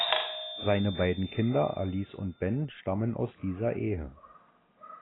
Seine beiden Kinder, Alice und Ben, stammen aus dieser Ehe.